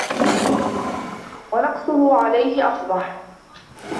وَنَقْصُهُ عَلَيْهِ أَفْضَحُ